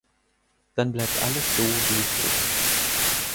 Dann bleibt alles so, wie es ist.